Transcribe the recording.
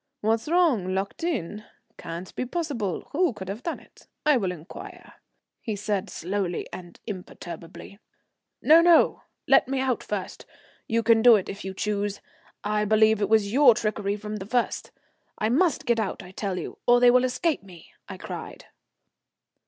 "What's wrong? Locked in? Can't be possible? Who could have done it? I will inquire," he said slowly and imperturbably. "No, no; let me out first. You can do it if you choose. I believe it was your trickery from the first. I must get out, I tell you, or they will escape me," I cried.